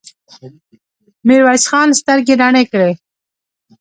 ميرويس خان سترګې رڼې کړې.